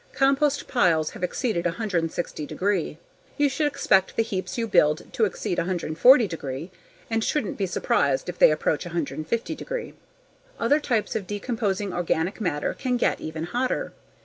Compost piles have exceeded 160 degree. You should expect the heaps you build to exceed 140 degree and shouldn't be surprised if they approach 150 degree Other types of decomposing organic matter can get even hotter.